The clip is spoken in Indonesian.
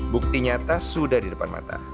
bukti nyata sudah di depan mata